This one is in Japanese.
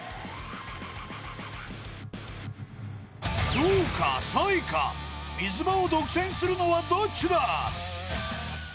ゾウかサイか水場を独占するのはどっちだ？